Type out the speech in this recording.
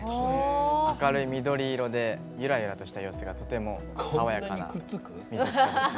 明るい緑色でゆらゆらとした様子がとても爽やかな水草ですね。